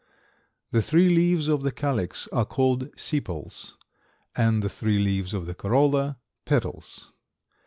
The three leaves of the calyx are called sepals, and the three leaves of the corolla petals.